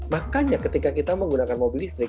makanya ketika kita menggunakan mobil listrik